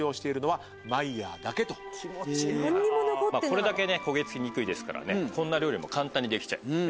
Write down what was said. これだけ焦げ付きにくいですからこんな料理も簡単にできちゃいますね。